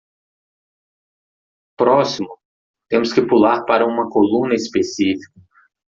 Próximo?, temos que pular para uma coluna específica.